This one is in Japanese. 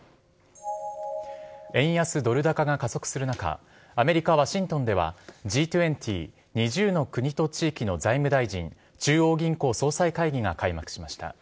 円安ドル高が加速する中アメリカ・ワシントンではＧ２０＝２０の国と地域の財務大臣・中央銀行総裁会議が開幕しました。